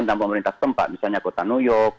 tentang pemerintah tempat misalnya kota new york